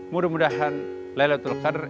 mudah mudahan laylatul qadr